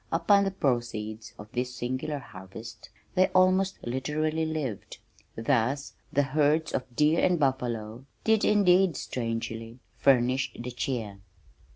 Upon the proceeds of this singular harvest they almost literally lived. Thus "the herds of deer and buffalo" did indeed strangely "furnish the cheer."